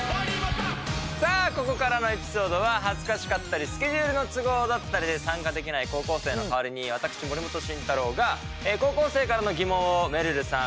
さあここからのエピソードは恥ずかしかったりスケジュールの都合だったりで参加できない高校生の代わりに私森本慎太郎が高校生からの疑問をめるるさん